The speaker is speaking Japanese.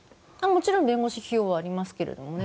もちろん弁護士費用はありますけどね。